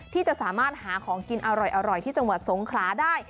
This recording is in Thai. ที่จะสามารถหาของกินอร่อยที่จังหวัดสงขลาได้